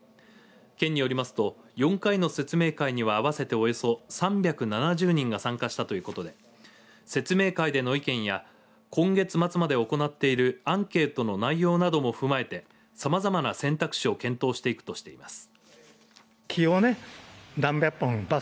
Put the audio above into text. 県によりますと４回の説明会には合わせておよそ３７０人が参加したということで説明会での意見や今月末まで行っているアンケートの内容なども踏まえてさまざまな選択肢を検討していくとしています。